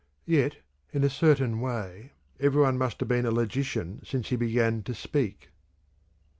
Yet, in a certain way, every one must have been a logician since he began to speak."